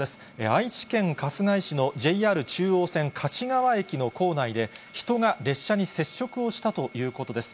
愛知県春日井市のＪＲ中央線勝川駅の構内で、人が列車に接触をしたということです。